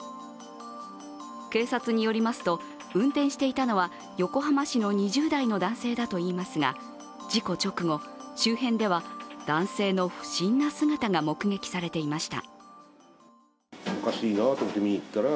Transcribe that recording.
警察によりますと、運転していたのは横浜市の２０代の男性だといいますが事故直後、周辺では男性の不審な姿が目撃されていました。